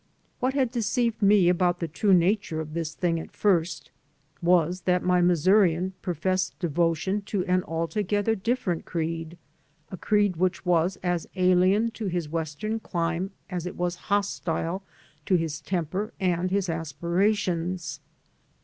What had deceived me about the true nature of this thing at first was that my Missourian professed devotion to an altogether different creed, a creed which was as alien to his Western clime as it was hostile to his temper and his aspirations.